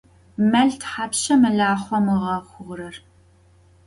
Mel thapşşa melaxhom ığexhurer?